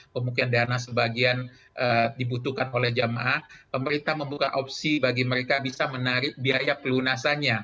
pemukiman dana sebagian dibutuhkan oleh jemaah pemerintah membuka opsi bagi mereka bisa menarik biaya pelunasannya